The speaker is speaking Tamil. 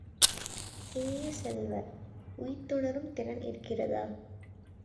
இனிய செல்வ, உய்த்துணரும் திறன் இருக்கிறதா?